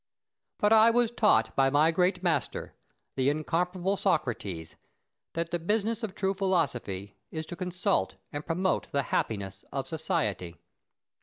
But I was taught by my great master, the incomparable Socrates, that the business of true philosophy is to consult and promote the happiness of society.